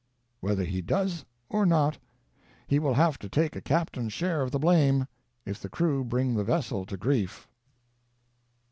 Whether he does or not, he will have to take a captain's share of the blame, if the crew bring the vessel to grief.